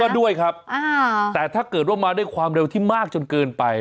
ก็ด้วยครับแต่ถ้าเกิดว่ามาด้วยความเร็วที่มากจนเกินไป